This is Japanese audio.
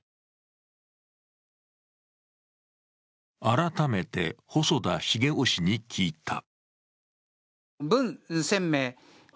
改めて、細田重雄氏に聞いた。